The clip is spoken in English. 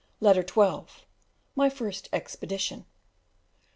Letter XII: My first expedition.